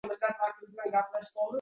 Xiyonat chiqsa balqib.